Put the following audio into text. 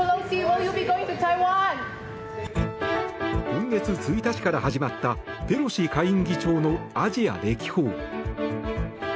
今月１日から始まったペロシ下院議長のアジア歴訪。